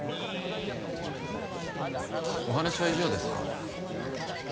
お話は以上ですか？